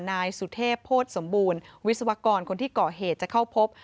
นายสุเทพโภษสมบูรณ์วิศวกรคนที่ก่อเหตุจะเข้าพบ